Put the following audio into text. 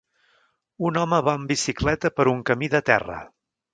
Un home va amb bicicleta per un camí de terra.